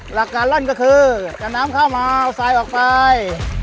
หลักการร่นก็คือจะนำเข้ามาใส่ออกไป